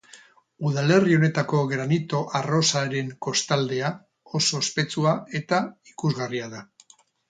Udalerri honetako Granito arrosaren kostaldea oso ospetsua eta ikusgarria da.